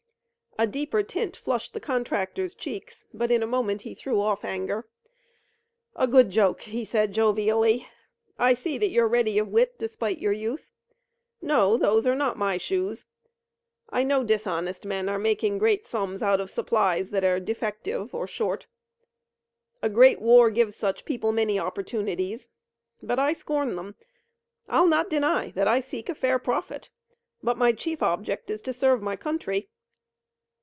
A deeper tint flushed the contractor's cheeks, but in a moment he threw off anger. "A good joke," he said jovially. "I see that you're ready of wit, despite your youth. No, those are not my shoes. I know dishonest men are making great sums out of supplies that are defective or short. A great war gives such people many opportunities, but I scorn them. I'll not deny that I seek a fair profit, but my chief object is to serve my country.